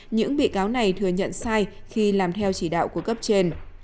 những bị cáo này thừa nhận sai khi làm theo chỉ đạo của cấp trên